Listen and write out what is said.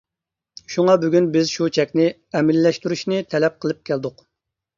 شۇڭا بۈگۈن بىز شۇ چەكنى ئەمەلىيلەشتۈرۈشنى تەلەپ قىلىپ كەلدۇق.